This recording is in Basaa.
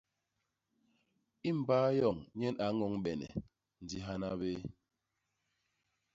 I mbay yoñ nyen a ñoñbene, ndi hana bé.